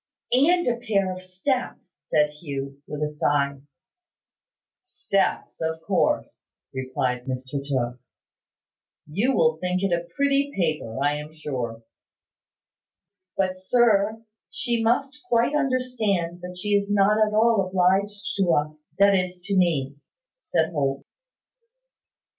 "And a pair of steps," said Hugh, with a sigh. "Steps, of course," replied Mr Tooke. "You will think it a pretty paper, I am sure." "But, sir, she must quite understand that she is not at all obliged to us, that is, to me," said Holt.